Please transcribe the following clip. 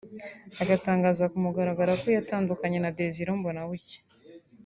agatangaza ku mugaragaro ko yatandukanye na Desire Mbonabucya